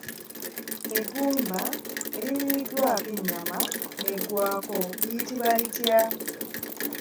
Eggumba eririiriddwako enyama n'eggwako liyitibwa litya?